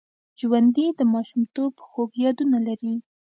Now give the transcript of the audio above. ژوندي د ماشومتوب خوږ یادونه لري